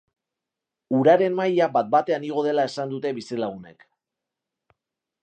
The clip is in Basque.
Uraren maila bat-batean igo dela esan dute bizilagunek.